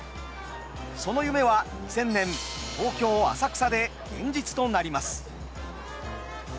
その夢は２０００年東京・浅草で現実となります。